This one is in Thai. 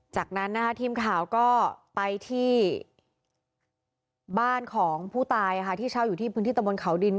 จากนั้นนะคะทีมข่าวก็ไปที่บ้านของผู้ตายที่เช่าอยู่ที่พื้นที่ตะบนเขาดิน